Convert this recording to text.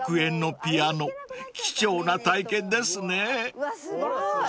うわすごい！